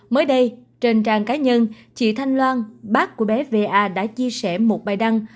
mới đây trên trang cá nhân chị thanh loan bác của bé va đã chia sẻ một bài đăng